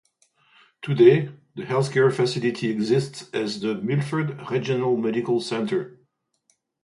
Today, the health care facility exists as the Milford Regional Medical Center.